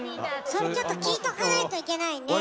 それちょっと聞いとかないといけないね。